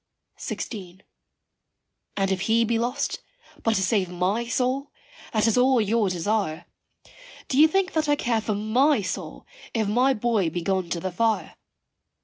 XVI. And if he be lost but to save my soul, that is all your desire: Do you think that I care for my soul if my boy be gone to the fire?